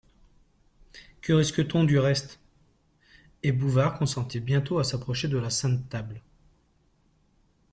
Que risque-t-on, du reste ?, et Bouvard consentit bientôt à s'approcher de la sainte table.